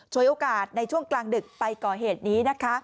ช่วยโอกาสในช่วงกลางดึกไปก่อเหตุนี้